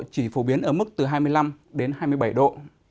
chỉ phổ biến ở mức từ hai mươi năm đến hai mươi bảy độ